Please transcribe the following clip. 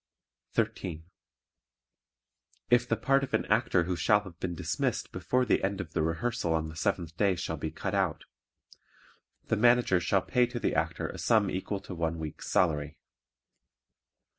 13. If the part of an Actor who shall have been dismissed before the end of the rehearsal on the seventh day shall be cut out, the Manager shall pay to the Actor a sum equal to one week's salary.